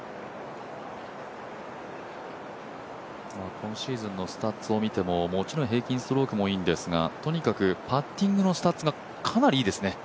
今シーズンのスタッツを見てももちろん平均ストロークがいいんですがとにかくパッティングのスタッツがかなりいいですね。